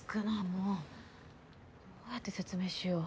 どうやって説明しよう。